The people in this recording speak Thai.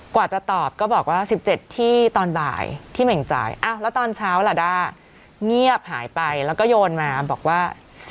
กว่าจะตอบก็บอกว่า๑๗ที่ตอนบ่ายที่เหม่งจ่ายแล้วตอนเช้าล่ะด้าเงียบหายไปแล้วก็โยนมาบอกว่า